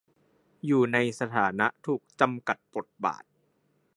อยู่ในสถานะถูกจำกัดบทบาท